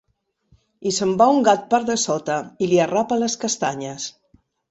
I se’n va un gat per dessota i li arrapa les castanyes.